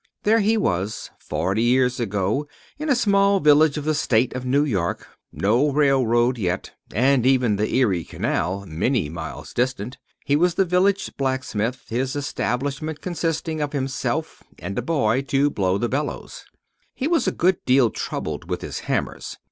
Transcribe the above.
There he was, forty years ago, in a small village of the State of New York; no railroad yet, and even the Erie Canal many miles distant. He was the village blacksmith, his establishment consisting of himself and a boy to blow the bellows. He was a good deal troubled with his hammers.